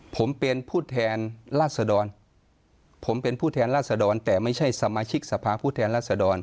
ผมเป็นผู้แทนราษดรแต่ไม่ใช่สมาชิกสภาผู้แทนราษดร